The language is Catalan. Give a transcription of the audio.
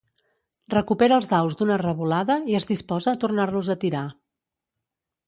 Recupera els daus d'una revolada i es disposa a tornar-los a tirar.